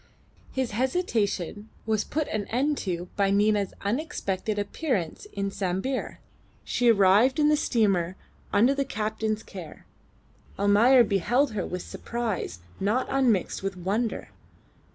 His hesitation was put an end to by Nina's unexpected appearance in Sambir. She arrived in the steamer under the captain's care. Almayer beheld her with surprise not unmixed with wonder.